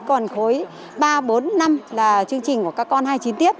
còn khối ba bốn năm là chương trình của các con hai mươi chín tiếp